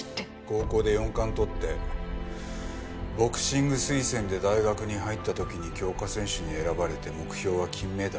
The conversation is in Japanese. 高校で４冠とってボクシング推薦で大学に入った時に強化選手に選ばれて目標は金メダル。